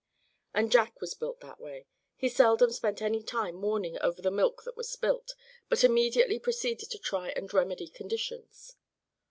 And Jack was built that way. He seldom spent any time mourning over the milk that was spilt; but immediately proceeded to try and remedy conditions.